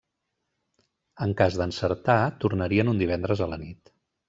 En cas d'encertar, tornarien un divendres a la nit.